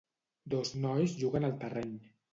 Dos nois juguen al terreny.